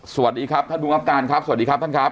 สวัสดีครับท่านภูมิครับการครับสวัสดีครับท่านครับ